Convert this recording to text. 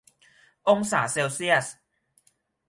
องศาเซลเซียล